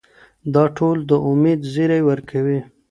دا ټول د امید زیری ورکوي.